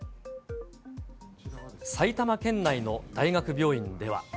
埼玉県内の大学病院では。